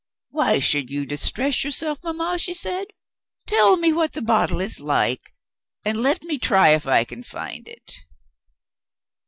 'Why should you distress yourself, mamma?' she said. 'Tell me what the bottle is like, and let me try if I can find it.'